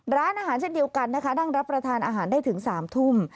ร้านอาหารเช่นเดียวกันนะคะนั่งรับประทานอาหารได้ถึง๓ทุ่ม